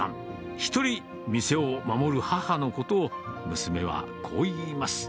１人、店を守る母のことを、娘はこう言います。